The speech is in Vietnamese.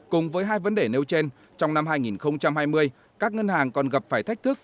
cùng với hai vấn đề nêu trên trong năm hai nghìn hai mươi các ngân hàng còn gặp phải thách thức